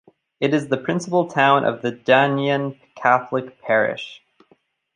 It is the principal town of the Daingean Catholic Parish.